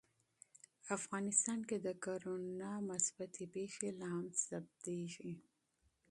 افغانستان کې د کورونا مثبتې پېښې لا هم ثبتېږي.